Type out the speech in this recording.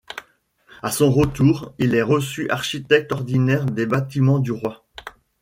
À son retour, il est reçu architecte ordinaire des Bâtiments du Roi.